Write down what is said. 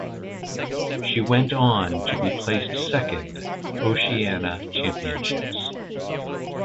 She went on to be placed second Oceania Championships.